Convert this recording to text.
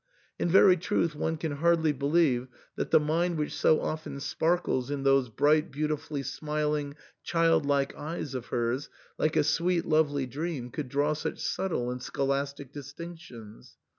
In very truth one can hardly believe that the mind which so often sparkles in those bright, beauti fully smiling, childlike eyes of hers like a sweet lovely dream could draw such subtle and scholastic distinc tions.